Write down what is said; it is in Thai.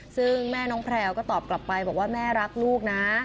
ซึ่งแม่น้องแพลวก็ตอบกลับไปบอกว่าแม่รักลูกนะ